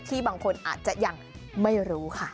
บางคนอาจจะยังไม่รู้ค่ะ